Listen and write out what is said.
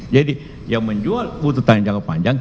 jadi yang menjual butuh jangka panjang